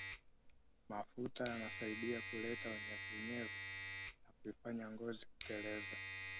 Mafuta yanasaidia kuleta unyevunyevu na kuifanya ngozi kuteleza